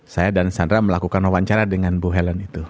saya dan sandra melakukan wawancara dengan bu helen itu